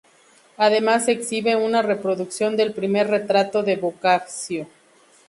Además se exhibe una reproducción del primer retrato de Boccaccio.